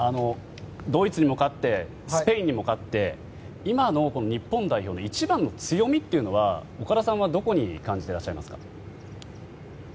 ドイツにも勝ってスペインにも勝って今の日本代表の一番の強みというのは岡田さんはどこに感じてらっしゃいますか？